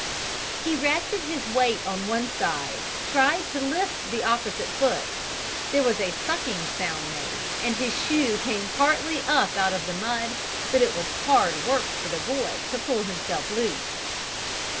He rested his weight on one side, and tried to lift the opposite foot. There was a sucking sound made, as his shoe came partly up out of the mud, but it was hard work for the boy to pull himself loose.